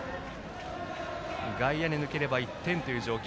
外野に抜ければ１点という状況